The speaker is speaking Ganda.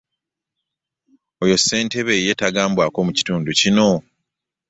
Oyo ssente be ye tagambwaako mu kitundu kino.